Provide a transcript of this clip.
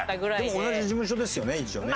でも同じ事務所ですよね一応ね。